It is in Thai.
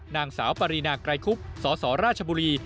นางสาวปรินาไกรคุบสสราชบุรี